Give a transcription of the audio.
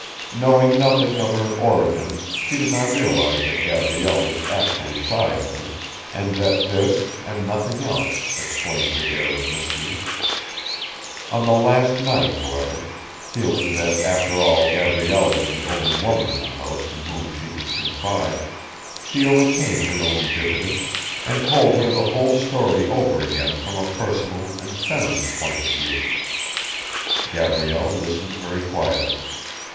Knowing nothing of her origins she did not realise that Gabrielle was actually shy of her, and that this, and nothing else, explained her air of mystery. On the last night, however, feeling that after all Gabrielle was the only woman in the house in whom she could confide, she overcame her own diffidence, and told her the whole story over again from a personal and feminine point of view. Gabrielle listened very quietly.